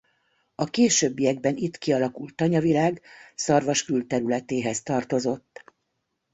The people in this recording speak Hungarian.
A későbbiekben itt kialakult tanyavilág Szarvas külterületéhez tartozott.